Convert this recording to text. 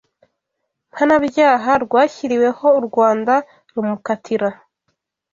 Mpanabyaha rwashyiriweho u Rwanda rumukatira